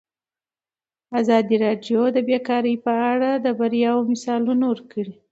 ازادي راډیو د بیکاري په اړه د بریاوو مثالونه ورکړي.